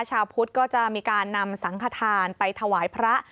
ชาวพุทธก็จะมีการนำสังขทานไปถวายพระ